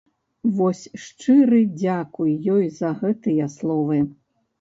Вось шчыры дзякуй ёй за гэтыя словы!